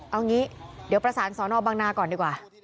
เอางี้เดี๋ยวประสานสอนอบังนาก่อนดีกว่า